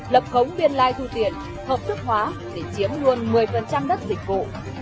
lập khống biên lai thu tiền hợp sức hóa để chiếm luôn một mươi đất dịch vụ